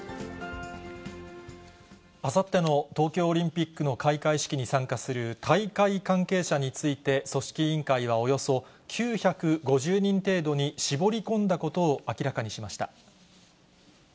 あさっての東京オリンピックの開会式に参加する大会関係者について、組織委員会はおよそ９５０人程度に絞り込んだことを明らかにしました。